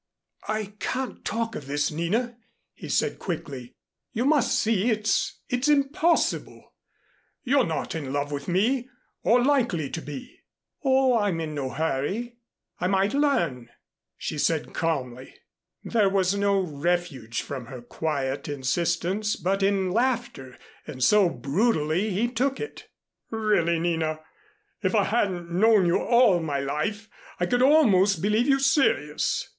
"I can't talk of this, Nina," he said quickly. "You must see it's it's impossible. You're not in love with me or likely to be " "Oh, I'm in no hurry. I might learn," she said calmly. There was no refuge from her quiet insistence but in laughter, and so, brutally, he took it. "Really, Nina, if I hadn't known you all my life, I could almost believe you serious."